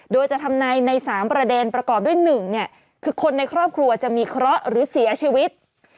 โดยจะทำในใน๓ประเด็นประกอบด้วย๑คือคนในครอบครัวจะมีเคราะห์หรือเสียชีวิต